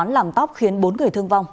quán làm tóc khiến bốn người thương vong